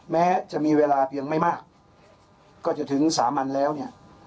แม้จะมีเวลาเพียงไม่มากก็จะถึงสามัญแล้วเนี่ย